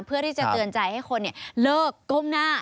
เพื่อที่จะเตือนใจให้คนเลิกก้มหน้า